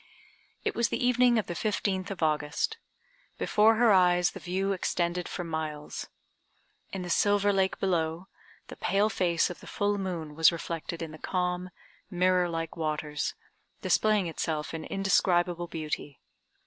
It was the evening of the fifteenth of August. Before her eyes the view extended for miles. In the silver lake below, the pale face of the full moon was reflected in the calm, mirror like waters, displaying itself in indescribable beauty.